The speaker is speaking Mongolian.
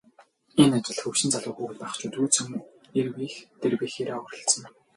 Энэ ажилд хөгшин залуу, хүүхэд багачуудгүй цөм эрвийх дэрвийхээрээ оролцоно.